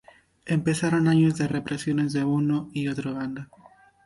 Empezaron años de represiones de uno y otro bando.